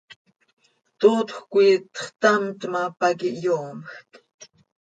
Tootjöc quih txtamt ma, pac ihyoomjc.